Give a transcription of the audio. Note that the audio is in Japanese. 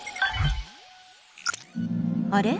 あれ？